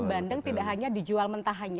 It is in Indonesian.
bandeng tidak hanya dijual mentah hanya